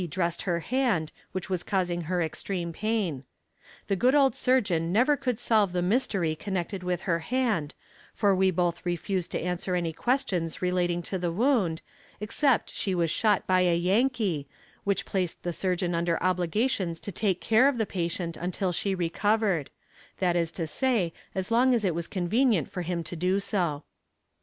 dressed her hand, which was causing her extreme pain. The good old surgeon never could solve the mystery connected with her hand, for we both refused to answer any questions relating to the wound, except that she was shot by a "Yankee," which placed the surgeon under obligations to take care of the patient until she recovered that is to say as long as it was convenient for him to do so.